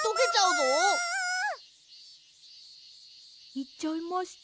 いっちゃいました。